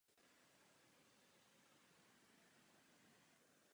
Těší mě proto, že tyto návrhy byly vzaty v úvahu.